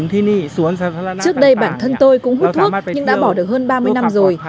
trước đây bản thân tôi cũng hút thuốc nhưng đã bỏ được hơn ba mươi năm rồi